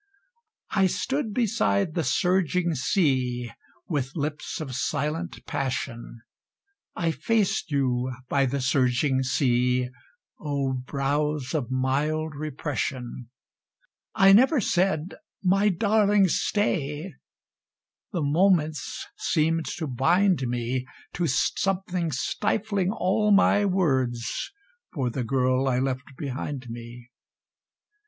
I stood beside the surging sea, with lips of silent passion I faced you by the surging sea, O brows of mild repression! I never said "my darling, stay!" the moments seemed to bind me To something stifling all my words for the Girl I left behind me.